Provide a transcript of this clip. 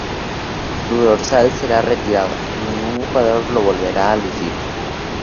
Su dorsal será retirado, y ningún jugador lo volverá a lucir.